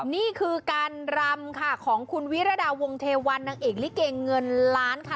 นี่คือการรำค่ะของคุณวิรดาวงเทวันนางเอกลิเกเงินล้านค่ะ